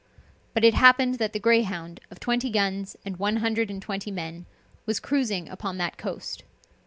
But it happened that the Greyhound, of twenty guns and one hundred and twenty men, was cruising upon that coast.